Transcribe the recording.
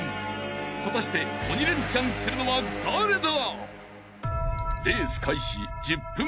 ［果たして鬼レンチャンするのは誰だ！？］